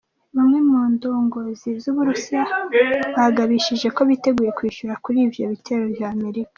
Bamwe mu ndongozi z'Uburusiya, bagabishije ko biteguye kwishura kuri ivyo bitero vya Amerika.